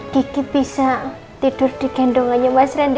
kiki bisa tidur di gendongannya mas rendy